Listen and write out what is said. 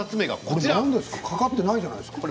これ何ですかかかってないじゃないですか。